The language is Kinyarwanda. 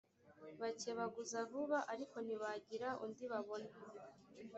bakebaguza vuba ariko ntibagira undi babona